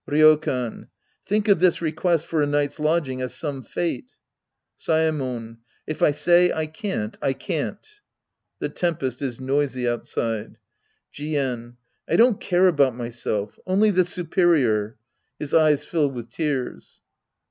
Ryokan. Think of this request for a night's lodg ing as some fate. Saemon. If I say I can't, I can't. {Tlu tempest is noisy outside^ Jien. I don't care about myself Only the superior — {His eyes fill with tears!)